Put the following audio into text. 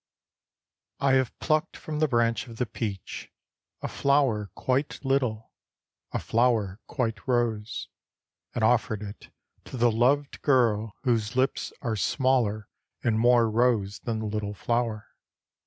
I HAVE plucked from the branch of the peach a flower quite Httle» a flower quite rose ; And offered it to the loved girl whose lips are smaller and more rose than the little flower.